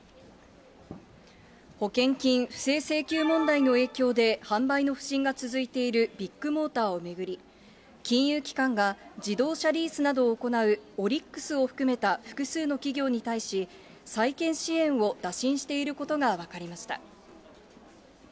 保険金不正請求問題の影響で、販売の不振が続いているビッグモーターを巡り、金融機関が自動車リースなどを行うオリックスを含めた複数の企業に対し、再建支援を打診していることが分かりました。